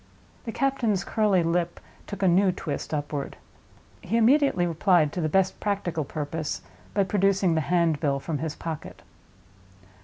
The captain's curly lip took a new twist upward. He immediately replied, to the best practical purpose, by producing the handbill from his pocket.